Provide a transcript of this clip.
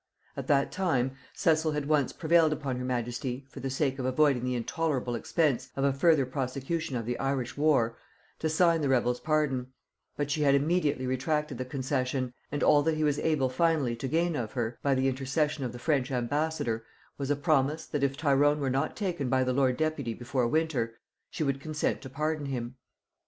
At that time, Cecil had once prevailed upon her majesty, for the sake of avoiding the intolerable expense of a further prosecution of the Irish war, to sign the rebel's pardon; but she had immediately retracted the concession, and all that he was able finally to gain of her, by the intercession of the French ambassador, was a promise, that if Tyrone were not taken by the lord deputy before winter, she would consent to pardon him.